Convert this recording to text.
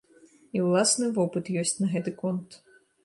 І ўласны вопыт ёсць на гэты конт.